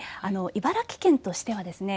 茨城県としてはですね